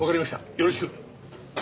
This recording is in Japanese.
よろしく！